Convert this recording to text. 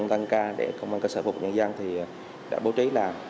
tăng ca để công an các xã phục nhân dân thì đã bố trí làm